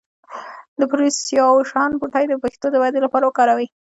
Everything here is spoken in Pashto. د پرسیاوشان بوټی د ویښتو د ودې لپاره وکاروئ